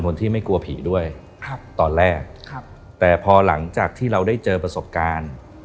ไปพอหลังจากที่เราได้เจอประสบการณ์